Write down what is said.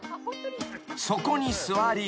［そこに座り］